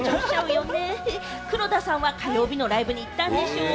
黒田さんは火曜日のライブに行ったんでしょ？